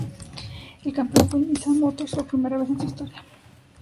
El campeón fue el Nissan Motors, por primera vez en su historia.